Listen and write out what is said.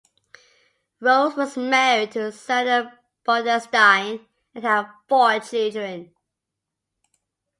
Rose was married to Zelda Budenstein and had four children.